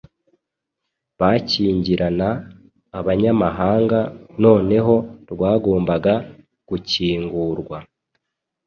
bakingirana abanyamahanga noneho rwagombaga gukingurwa.